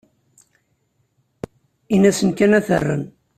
Ini-asen kan ad t-rren.